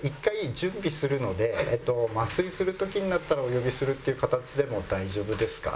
一回準備するので麻酔する時になったらお呼びするっていう形でも大丈夫ですか？